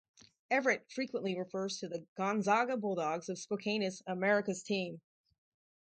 Everett frequently refers to the Gonzaga Bulldogs of Spokane as "America's Team".